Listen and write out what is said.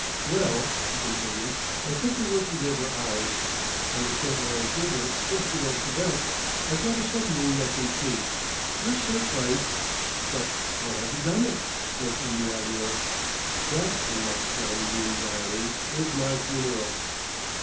"Well," he continued, "I set to work to give her eyes. On the St. Lawrence River, just below Quebec, I've got a submarine that can see. Her search lights " "But how have you done it?" broke in the Admiral. "That," remarked John Dene drily, "is my funeral."